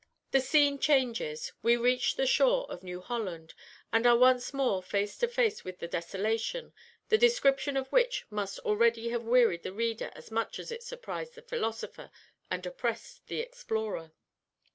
"The scene changes; we reach the shore of New Holland, and are once more face to face with the desolation, the description of which must already have wearied the reader as much as it surprised the philosopher and oppressed the explorer."